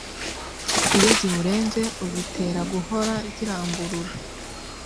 iyo ziwurenze uzitera guhora ziramburura